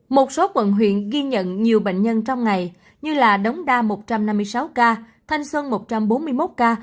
một số quận huyện ghi nhận nhiều bệnh nhân trong ngày như đống đa một trăm năm mươi sáu ca thanh xuân một trăm bốn mươi một ca